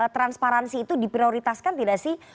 transparansi itu diprioritaskan tidak sih